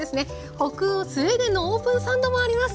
北欧スウェーデンのオープンサンドもあります。